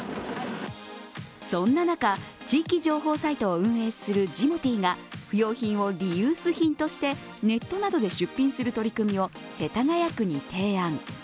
そんな中、地域情報サイトを運営するジモティーが不用品をリユース品としてネットなどで出品する取り組みを世田谷区に提案。